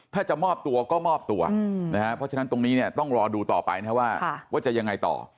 ถ้าจะมอบตัวก็มอบตัวนะฮะเพราะฉะนั้นตรงนี้เนี่ยต้องรอดูต่อไปนะครับว่าจะยังไงต่อ